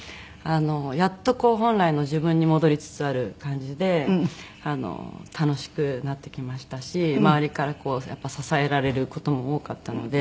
やっと本来の自分に戻りつつある感じで楽しくなってきましたし周りから支えられる事も多かったので。